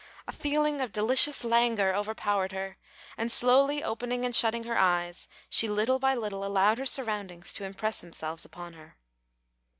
A feeling of delicious languor overpowered her, and slowly opening and shutting her eyes, she little by little allowed her surroundings to impress themselves upon her.